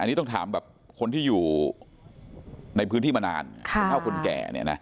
อันนี้ต้องถามคนที่อยู่ในพื้นที่มานานเท่าคนแก่